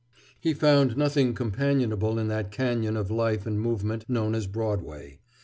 He found nothing companionable in that cañon of life and movement known as Broadway.